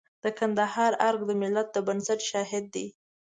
د کندهار ارګ د ملت د بنسټ شاهد دی.